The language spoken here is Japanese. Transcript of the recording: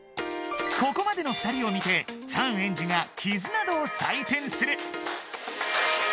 ここまでの２人を見てチャンエンジがキズナ度を採点する。